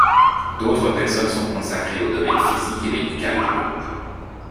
D'autres personnes sont consacrés au domaine physique et médicale du groupe.